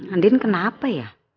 andean kenapa ya